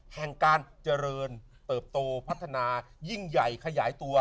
แห่งการเจริญเติบโตพัฒนายิ่งใหญ่ขยายตัว